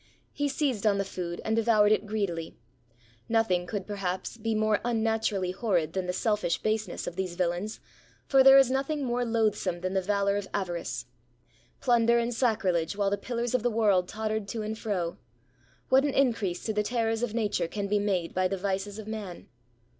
He seized on the food, and devoured it greedily. Noth ing could, perhaps, be more unnaturally horrid than the selfish baseness of these villains; for there is nothing more loathsome than the valor of avarice. Plunder and sacrilege while the pillars of the world tottered to and fro! What an increase to the terrors of nature can be made by the vices of man